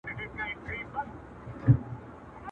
یو ایږدن مي خیرات نه کړ چي مي خلاص کړي له اورونو.!